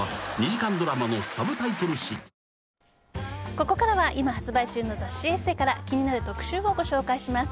ここからは今発売中の雑誌「ＥＳＳＥ」から気になる特集をご紹介します。